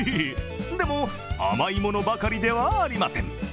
でも甘いものばかりではありません。